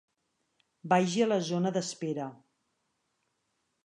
Vagi a la zona d'espera.